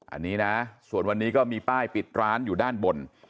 อันนี้นะส่วนวันนี้ก็มีป้ายปิดร้านอยู่ด้านบน